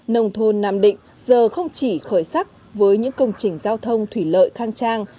nông thôn nam định giờ không chỉ khởi sắc với những công trình giao thông thủy lợi khang trang